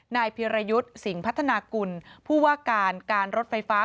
นายพิรยุทธ์สิงห์พัฒนากุลผู้ว่าการการรถไฟฟ้า